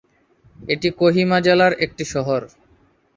এটি কোহিমা জেলার একটি শহর।